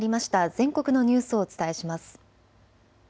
全国のニュースをお伝えします。